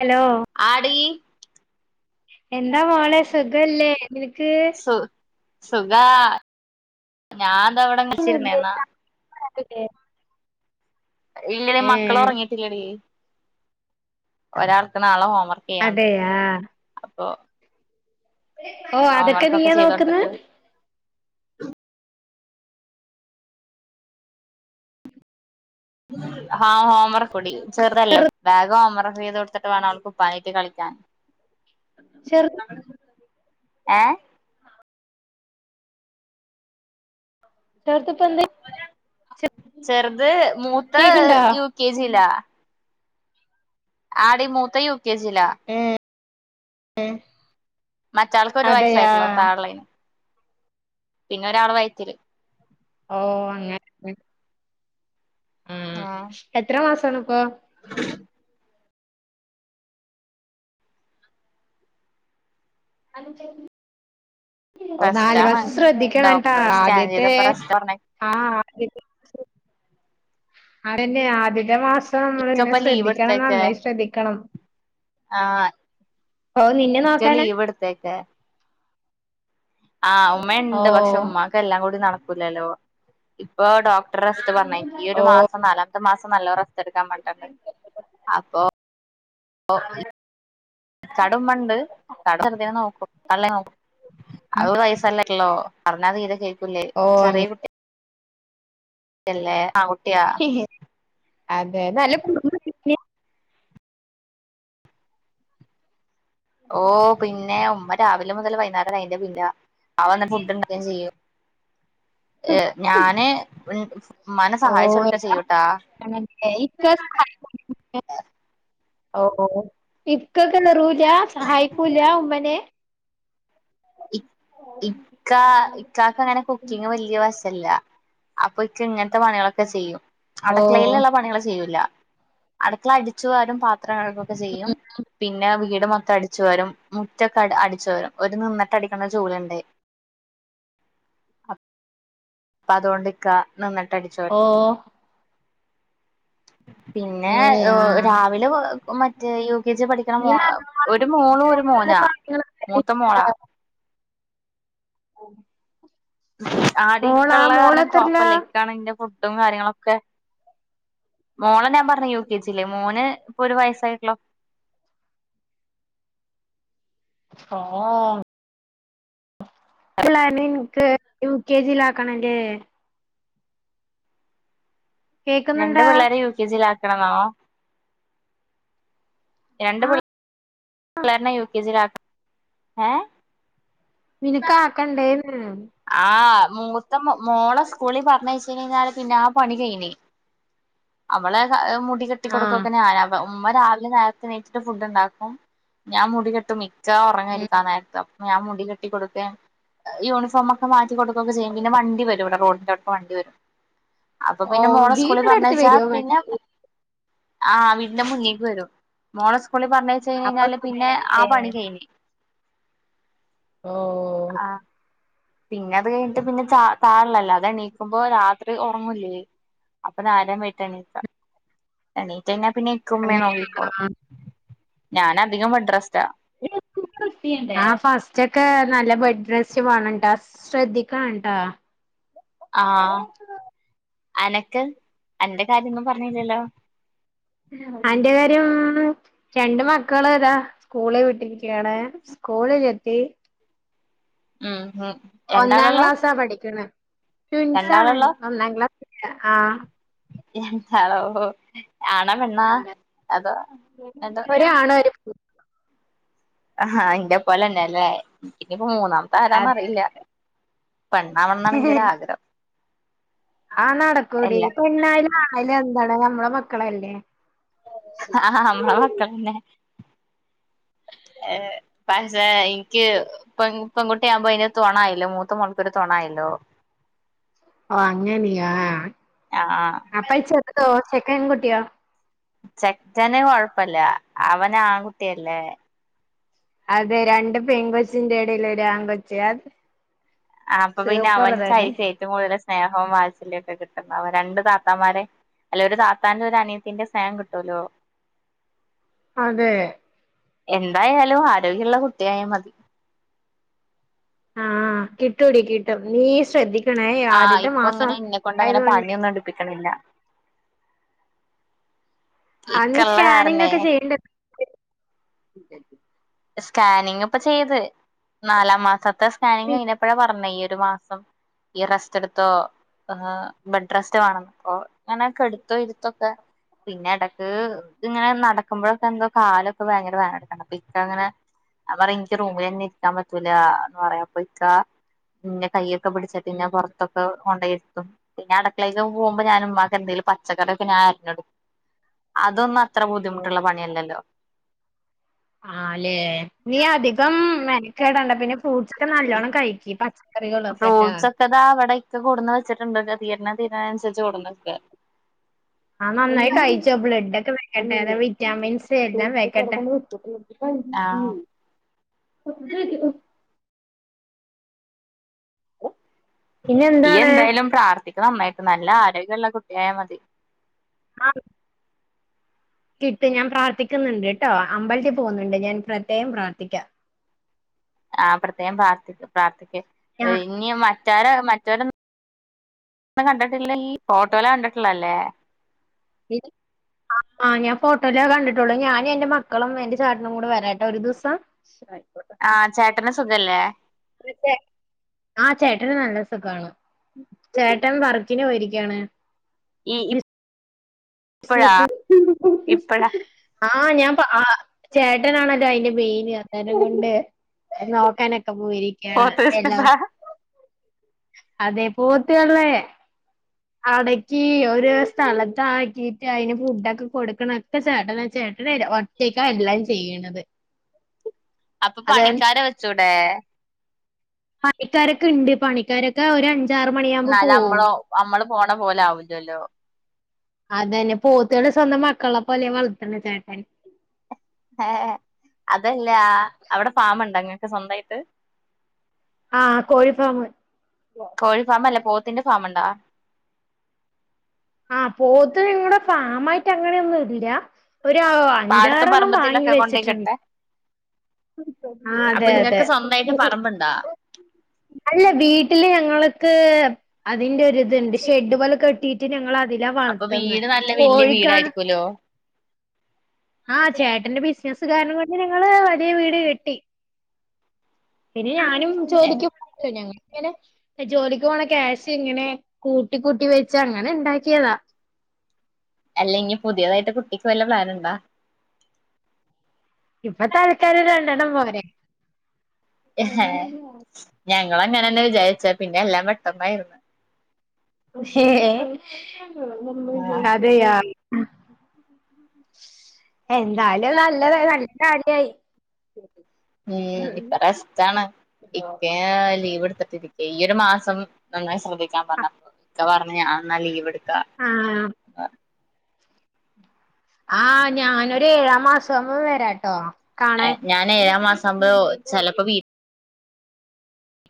Hello? ആടി എന്താ മോളെ സുഖല്ലേ? നിനക്ക്. ഞാതാവിടെ മെച്ചിരുന്നേന്നാ [unintelligible] ഇല്ലടി മക്കള് ഏഹ് ഒറങ്ങിട്ടില്ലടി. ഒരാൾക്ക് നാളെ ഹോംവർക്ക് വെയ്യാണ്ട് അതെയാ അപ്പൊ ഓ അതൊക്കെ ഹോംവർക്കൊക്കെ നീയാ ചെയ്ത് നോക്കുന്ന് കൊടുത്തിട്ട് ആഹ് ഹോംവർക്ക് കുടി ചെറുതല്ലേ ചെറു വേഗം ഹോംവർക്ക് ചെയ്ത് കൊടുത്തിട്ട് വേണം ഉപ്പാനിട്ട് കളിക്കാൻ ചെർത് ഏ കുട്ടോക്ക്പ്പന്തേ [unintelligible] ചെർത് മൂത്ത് യു കെ ജിലാ ആടിമൂത്ത് യു കെ ജില ഏ എ മറ്റാൾക്കരു വയസ്സായിട്ടുള്ളോ താഴളേന് പിന്നെ ഒരാള് വയറ്റില് ഓ അങ്ങനെ ആഹ് എത്ര മാസാണ് പ്പോ? [unintelligible] [unintelligible] ഓ നല് റെസ്റ്റാണ് മാസം ശ്രദ്ധിക്കണം ട്ടോ ഡോക്ടർ സ്കാൻ ആദ്യത്തെ ചെയ്തപ്പോ റെസ്റ്റ് പറഞ്ഞ് ആഹ് ആദ്യത്തെ മാ അയന്നെ ആദ്യത്തെ മാസം പ്പ നമ്മളിങ്ങനെ ഇക്കപ്പൊ ലീവ് ശ്രദ്ധിക്കണം നന്നായി ശ്രദ്ധിക്കണം ആഹ് ഓ നിന്നെ നോക്കാനാ ച്ച്ലിവിട്ത്തേക്ക് ആഹ് ഓ ഉമ്മണ്ട് പക്ഷെ ഉമ്മാക്ക് എല്ലാം കൂടി നടക്കൂലല്ലോ ഇപ്പൊ ഡോക് റെസ്റ്റ്പറഞ്ഞ്. ഓ ഈഒരു മാസം നാലാമത്തെ മാസം നല്ലോം റെസ്റ്റ് എടുക്കാൻ പറഞ്ഞിട്ടുണ്ട്. അപ്പൊ [unintelligible] ഇക്കാടുമ്മണ്ട് [unintelligible] വെറുതെ നോക്കും [unintelligible] അത് വയസല്ല ലോ പറഞ്ഞാ തീരെ കേൾക്കൂല്ലേ ഓ ചെറിയ കുട്ടിയാ ആൺകുട്ടിയാ ഹി ഹി അതെ നല്ല [unintelligible] ഓ പിന്നെ ഉമ്മ രാവിലെ മുതൽ വൈകുന്നേരം അതിന്റെ പിന്ന അവന്ന ഫുഡ് ഉണ്ടാക്ക ചെയ്യും ഏ ഞാന് [unintelligible] സഹായിച്ചു കൊടുക്കുകയാ [unintelligible] ചെയ്യൂട്ടാ ഓഹൊ ഇക്കൊക്കെറൂല സഹായിക്കൂല ഉമ്മനെ? ഇക്ഇക്ക ഇക്കാക്ക് അങ്ങനെ കുക്കിങ് വല്ല്യ വശല്ല അപ്പൊക്കങ്ങനത്തെ പണികളൊക്കെ ചെയ്യും ഓ അടുക്കളയിലുള്ള പണികൾ ചെയ്യൂല്ല അടുക്കള അടിച്ചുവാരും പാത്രം പാത്രം കഴുക ക്കെ ചെയ്യും പിന്നെ വീട് മൊത്തം അടിച്ചു വരും മുറ്റൊക്കെ അടിച്ചു വരും ഒരുനിന്ന് റ്റ അടിക്കുന്ന ജൂല്ണ്ട് അപ്പ അതുകൊണ്ട് ഇക്കാ നിന്നിട്ട് അടിച്ചോ ഓ പിന്നെ അങ്ങനെയാ ഏഹ് രാവിലെ മറ്റേ യു കെ ജി പഠിക്കണ മോ ഇനി ഏഹ് ഒരു മോളും ഒരു മോനാ മൂത്ത മോളാ ഉ [inaudible] ആടി ഇക്കള്ള കാരണം കൊഴപ്പല്ലാ ഇക്കാണ് ഇന്റെ ഫുഡും കാര്യങ്ങളൊക്കെ മോളെ ഞാൻ പറഞ്ഞെ യു കെ ജില് മോന് ഇപ്പൊ ഒരു വയസ്സായി [unintelligible] [unintelligible] യു കെ ജിലാക്കണല്ലേ രണ്ട് കേക്കുന്നുണ്ടാ പിള്ളേരെ യു കെ ജിലാക്കണന്നോ രണ്ട് ആ പിള്ളേ പിള്ളേരനെ യു കെ ജിലാക്ക ഏഹ് നിനക്ക് ആക്കണ്ടേന്ന് ആഹ് മൂത്ത മോ മോളെ സ്കൂളി പറഞ്ഞയച്ച് കയിഞ്ഞാല് പിന്നാ പണി കയിഞ്ഞ് അവളെ മുടി കെട്ടി ആ കൊടുക്കൊക്കെ ഞാനാ ഉമ്മ രാവിലെ നേരത്തെ എണീറ്റിട്ട് ഫുഡ് ഇണ്ടാക്കും ഞാൻ മുടി കെട്ടും മിക് [unintelligible] ഒറങ്ങായിരിക്കാ നേരത്ത് അപ്പൊ ഞാൻ മുടി കെട്ടി കൊടുക്കേം യൂണിഫോമൊക്കെ മാറ്റി കൊടു ക്കെ ചെയ്യും ഈ പിന്നെ വണ്ടി വെരും ഇവിടെ റോഡിന്റെ [unintelligible] വണ്ടി വെരും അപ്പൊ ഓ പിന്നെ മോളെ സ്കൂളി വീട്ടിന്റെ അടുത്ത് പറഞ്ഞയച്ചാ വരുവോ വ പിന്നെ ആഹ് വീടിന്റെ മുന്നിക്ക് വെരും മോളെ സ്‌കൂളി പറഞ്ഞയച്ച് അപ്പൊ കഴിഞ്ഞാല് പിന്നെ ആ സുഖായില്ലേ പണി കഴിഞ്ഞ് ഓഹ് ആ പിന്നെ അത് കഴിഞ്ഞിട്ട് പിന്നെ ചാ തായെള്ളതല്ലേ അതെണീ ക്കുമ്പോ രാത്രി ഒറങ്ങൂല്ലേ അപ്പൊ നാരം വൈകിട്ടാണീക്കാ എണീറ്റ് കഴിഞ്ഞാ പിന്നെ ഇക്കേം ഉമ്മേ നോക്കി അങ്ങനെയാണോ കോളും ഞാൻ അധികം ബഡ് റെസ്റ്റാ [unintelligible] ആഹ് ഫസ്റ്റ് ഒക്കെ നല്ല ബെഡ് റസ്റ്റ് വേണട്ടാ ശ്രദ്ധിക്കണട്ടാ ആഹ് അനക്ക് അന്റെ കാര്യങ്ങൾ പറഞ്ഞില്ലല്ലോ എന്റെ കാര്യം ഉം രണ്ട് മക്കള് ഇതാ സ്കൂളി വിട്ടിരിക്കയാണ് സ്കൂളിലെത്തി ഉം [unintelligible] ഒന്നാം ക്ലാസ്സാ പഠിക്കണ് ട്യുൻസാണ് രണ്ടാളുള്ളോ ഒന്നാം ക്ലാസ്സില് ആഹ് ഹലോ ആണാ പെണ്ണാ അതോ രണ്ടും [unintelligible] ആഹ് ഇന്റെ പോലെന്നെല്ലേ ഇൻ്റെ ഇപ്പോ മൂന്നാമ ഇതരാന്ന് അതെ അറിയില്ലാ പെണ്ണാവണം ഇൻ്റൊരു ആഗ്രഹം ആഹ് നടക്കൂടി പെണ്ണായാലും ആണായാലും എന്താണ് നമ്മളെ മക്കളല്ലേ ആഹ് നമ്മളെ മക്കളെന്നെ ഏഹ് പഷേ ഇൻ ഇൻക്ക് പെ പെങ്കുട്ടി ആവുമ്പോ അയിന് ഒര് തൊണ ആയല്ലോ മൂത്തമോൾക്ക് ഒരു തൊണായല്ലോ ഓഹ് അങ്ങനെയാ അപ്പ ആഹ് ഈ ചെറ്തോ ചെക്കൻകുട്ടിയോ? ചെക്കന് കൊഴപ്പല്ലാ അവന് ആൺകുട്ടിയല്ലേ അതെ രണ്ട് പെൺ കൊച്ചിൻ്റെ എടേല് ഒരു ആൺ കൊച് അത് ആഹ് അപ്പൊ പിന്നെ സൂപ്പർ തന്നെ അവന്ക്കായിരിക്കും ഏറ്റവും കൂടുതൽ സ്നേഹവും വാത്സല്യൊക്കെ കിട്ടുന്നെ അപ്പ രണ്ട് താത്തമാരെ അല്ലാ ഒരു താത്തന്റെ ഒരു അനിയത്തിന്റെ സ്നേഹം കിട്ടുവല്ലോ അതെ എന്തായാലും ആരോഗ്യള്ള കുട്ടിയായ മതി ആഹ് കിട്ടൂടി കിട്ടും നീ ശ്രദ്ധിക്കണേ ഈ ആദ്യത്തെ മാസം ആയത് കൊണ്ടെ ഒന്നും എടുപ്പിക്കണില്ലാ ആ നീ ഇക്കള്ള സ്കാനിങ് കാരണേ ഒക്കെ ചെയ്യേണ്ട സ്കാനിങ് ഇപ്പൊ ചെയ്ത് നാലാം മാസ ത്തെ സ്കാനിങ് കയിഞ്ഞപ്പോഴെ പറഞ്ഞ ഈ ഒരു മാസം ഈ റസ്റ്റ് എടുത്തോ ബെഡ് റസ്റ്റ് വേണം അപ്പൊ അങ്ങനെ കിടത്തോ ഇരുത്തൊക്കെ പിന്നെ എടക്ക് ഇത് ഇങ്ങനെ നടക്കുമ്പോഴൊക്കെ എന്തോ കാലൊക്കെ ഭയങ്കര വേദന എടക്ക്‌ണ്ട് ഇക്കങ്ങനെ ഞാൻ പറയും ഇൻക്ക്‌ റൂമിലെന്നെ ഇരിക്കാൻ പറ്റൂല എന്ന് പറയും അപ്പൊ ഇക്ക ഇന്നെ കൈയൊക്കെ പിടിച്ചിട്ട് ഇന്നെ പൊറത്തൊക്കെ കൊണ്ടോയി ഇര്ത്തും പിന്നെ അടക്കളേക്ക്‌ പോവുമ്പൊ ഞാൻ ഉമ്മാക്കെന്തങ്കിലും പച്ചക്കറിയൊക്കെ ഞാൻ അരഞ്ഞൊടുക്കും അതൊന്നും അത്ര ബുദ്ധിമുട്ടുള്ള പണിയല്ലല്ലോ ആ ല്ലെ നീ അധികം മെനക്കടേണ്ട പിന്നെ ഫ്രൂട്ട്സ് ഒക്കെ നല്ലോണ്ണം കഴിക്കി പ ഫ്രൂട്ട്സ് ഒക്കെതാ ഇവിടെ ഇക്ക കൊടുന്ന് വച്ചിട്ടുണ്ട് തീര്ണ തീര് ണെയ്നൻസ ആഹ് നന്നായി കഴി ബ്ലഡ് ഒക്കെ വെക്കട്ടെ അ വിറ്റാമിൻസ് എല്ലാം വെക്കട്ടെ ആഹ് [inaudible] പിന്നെ ഇയ്യ് എന്താണ് എന്തായാലും പ്രാർത്ഥിക് നന്നായിട്ട് നല്ല ആരോഗ്യള്ള കുട്ടി ആയാമതി ആഹ് കിട്ടും ഞാൻ പ്രാർത്ഥിക്കുന്നുണ്ട്ട്ടോ അമ്പലത്തിൽ പോകുന്നുണ്ട് ഞാൻ പ്രത്യേകം പ്രാർത്ഥിക്കാം ആ പ്രത്യേകം പ്രാർത്ഥി പ്രാർത്ഥിക്ക്. ഞാ ഇനി മറ്റരെ മറ്റ [inaudible] കണ്ടിട്ടില്ലയി ഫോട്ടോലാ കണ്ടിട്ടുള്ളത് ല്ലേ [unintelligible] ആ ആ ഞാൻ ഫോട്ടോലാ കണ്ടിട്ടുള്ളു ഞാനും എന്റെ മക്കളും എന്റെ ചേട്ടനും കൂടെ വരാട്ടോ ഒരു ദിവസം സ് ആയിക്കോട്ടെ ആഹ് ചേട്ടന് സുഖല്ലേ [unintelligible] ആഹ് ചേട്ടന് നല്ല സുഖാണ് ചേട്ടൻ വർക്കിന് പോയിരിക്കയാണ് [unintelligible] ഇപ്പഴാ ഇപ്പഴാ [unintelligible] [inaudible] ആഹ് ഞാൻ പ ആ ചേട്ടനാണല്ലോ അയിന്റെ മെയ്ന് അത് കൊണ്ട് നോക്കാനൊക്കെ പോയിരിക്ക പോത്ത് [unintelligible] അതെ പോത്തക അടക്ക് ഒരു സ്ഥലത്താക്കിട്ട് അതിന് ഫുഡൊക്കെ കൊടുക്കണൊക്കെ ചേട്ടനാ ചേട്ടന് ഒറ്റ റ്റക്കാ എല്ലാം ചെയ്യണത് അപ്പൊ അതെ പണിക്കാരെ വെച്ചൂടെ പണിക്കാരൊക്കെണ്ട് പണിക്കാരൊക്കെ ഒരു അഞ്ച് എന്നാല് നമ്മള് നമ്മള് പോണ പോലെ ആവൂലല്ലോ അതന്നെ പോത്ത്കളെ സ്വന്തം മക്കളെ പോലെയാ വളർത്ത്ണ ചേട്ടൻ ഏ അതല്ല അവിടെ ഫാം ഉണ്ടോ ഇങ്ങക്ക് സ്വന്തമായിട്ട് ആഹ് കോഴി ഫാം കോഴി ഫാം അല്ല പോത്തിന്റെ ഫാം ഉണ്ടോ ആഹ് പോത്ത് ഇങ്ങനെ ഫാമായിട്ട് അങ്ങനെയൊന്നുല്ല ഒരു പാടത്തും അഞ്ചാറെണ്ണം വാങ്ങി പറമ്പത്തിലൊക്കെ കൊണ്ടോയി വെച്ചിട്ട്ണ്ട് കെട്ടാൻ ആ അപ്പൊ അതെ അതെ ഇങ്ങക്ക് സ്വന്തായിട്ട് പറമ്പുണ്ടാ അല്ല വീട്ടില് ഞങ്ങൾക്ക് അതിന്റെ ഒരു ഇത്ണ്ട് ഷെഡ് പോലെ കെട്ടിട്ട് ഞങ്ങളെ അതിലാ അപ്പൊ വീട് വളർത്ത്ന്നത് നല്ല വല്യ കോഴിക്കാണ് വീടായിരിക്കൂലോ ആഹ് ചേട്ടന്റെ ബിസിനസ്സ് കാരണം കൊണ്ട് ഞങ്ങള് വലിയ വീട് കെട്ടി പിന്നെ ഞാനും ഏ ചോദിക്കും [unintelligible] ഇങ്ങനെ ജോലിക്ക് പോണ ക്യാഷ് ഇങ്ങനെ കൂട്ടി കൂട്ടി വെച്ച് അങ്ങനെ ഇണ്ടാക്കിയതാ അല്ലെങ്കിൽ പുതിയതായിട്ട് കുട്ടിക്ക് വല്ല പ്ലാൻ ഉണ്ടാ ഇപ്പ തൽകാലം രണ്ടെണം പോരെ ഏഹ് ഞങ്ങള് അങ്ങന തന്നെ വിചാരിച്ച പിന്നെ എല്ലാം പെട്ടന്നായിരുന്ന് ആ അതെയാ എന്താലും [unintelligible] [unintelligible] ഉം ഇപ്പൊ റസ്റ്റാണ് ഇക്കേ ലീവ് എടുത്തിട്ടിരി ഈ ഒരു മാസം നന്നായി ശ്രദ്ധിക്കാൻ പറഞ്ഞ് ഇക്ക പറഞ്ഞ് ഞാനെന്നാ ലീവ് എടുക്കാം ആഹ് ആഹ് ഞാനൊരു ഏഴാം മാസം ആകുമ്പം വരാട്ടോ കാണാൻ ഞാൻ ഏഴാം മാസം ആവുമ്പോ ചെലപ്പോ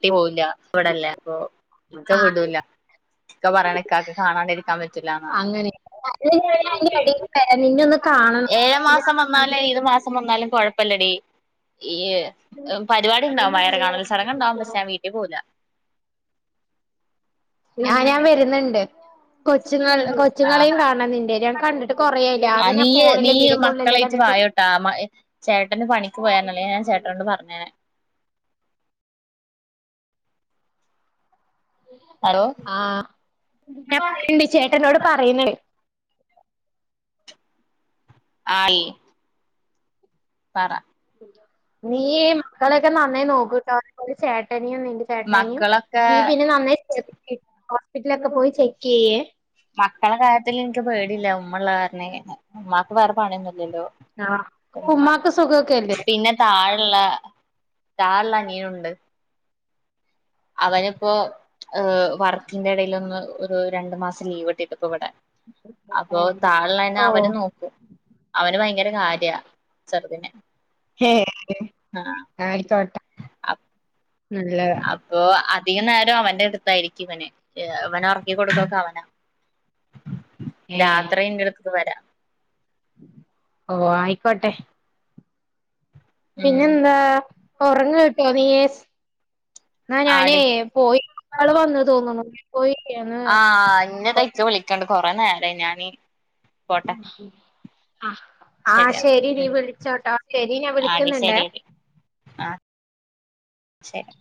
[unintelligible] ഇവിടല്ലേ അപ്പൊ ഇക്ക വിടൂല്ല ഇക്ക പറയണ ഇക്കായ്ക്ക് കാണാണ്ടിരിക്കാൻ പറ്റില്ലാന്നാ അങ്ങനെ [unintelligible] നിന്നെ ഒന്ന് കാണണം ഏഴ് മാസം വന്നാലും ഏത് മാസം വന്നാലും കുഴപ്പില്ലടി ഈ പരിപാടി ഉണ്ടാവും വയറ് കാണൽ ചടങ്ങ് ഉണ്ടാവും പക്ഷെ ഞാൻ വീട്ടിൽ പോവൂല ഞാൻ ഞാൻ വരുന്നുണ്ട് കൊച്ചുങ്ങ കൊച്ചുങ്ങളെയും ആഹ് കാണണം നിന്റെ ഞാൻ കണ്ടിട്ട് കൊറേ ആയി ഞാൻ ആ പിന്നെ നീയ് നീ ഫോണില് വീഡിയോ കോളിലല്ലേ മക്കളായിട്ട് കണ്ടിട്ടുള്ള് [unintelligible] ചേട്ടന് പണിക്ക് [unintelligible] അല്ലേ ഞാൻ ചേട്ടനോട് പറഞ്ഞേനെ ഹലോ ആഹ് [unintelligible] ചേട്ടനോട് പറയുന്നെ [unintelligible] പറ നീ മക്കളൊക്കെ നന്നായി നോക്കട്ടോ [unintelligible] ചേട്ടനും മക്കളൊക്കെ നീ പിന്നെ നന്നായി ഹോസ്പിറ്റലൊക്കെ പോയി ചെക്ക് ചെയ്യേ മക്കള കാര്യത്തിൽ എനിക്ക് പേടിയില്ല ഉമ്മ ഉള്ളെകാരണമേ ഉമ്മാക്ക് വേറെ പണിയൊന്നും ഇല്ലല്ലോ ആഹ് ഉമ്മാക്ക് സുഖക്കെല്ലേ താഴയുള്ള താഴയുള്ള അനിയനുണ്ട് അവനിപ്പോ ഏഹ് വർക്കിന്റെ ഇടയിലൊന്ന് ഒരു രണ്ടു മാസം ലീവ് കിട്ടിട്ട് ഇപ്പ ഇവിടെ അപ്പൊ താഴയുള്ളതിനെ ഓഹ് അവനും നോക്കും അവന് ഭയങ്കര കാര്യ ചെറുതിനെ [unintelligible] ആഹ് ആയിക്കോട്ടെ [unintelligible] നല്ലതാ അപ്പോ അധികം നേരം അവന്റെ അടുത്തായിരിക്കും ഇവന് ഇവനെ ഉറക്കി കൊടുക്കൊക്കെ അവനാ ഏഹ് രാത്രി എന്റെ അടുത്ത് വരാം ഓ ആയിക്കോട്ടെ ഉം പിന്നെ എന്താ ഉറങ്ങ് കേട്ടോ നീയ് എന്ന ഞാനേ ആടി പോയി [unintelligible] തോന്നുന്നു [unintelligible] ആഹ് [unintelligible] വിളിക്കണ്ട് കുറേ നേരായി ഞാനീ ആഹ് ശരിയാ ശരി ഡി നീ വിളിച്ചോട്ടോ ശരി ഞാൻ ആടി വിളിക്കുന്നുണ്ടെ ശരിയെടി ആഹ് ശരി